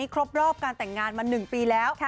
ครบรอบการแต่งงานมา๑ปีแล้ว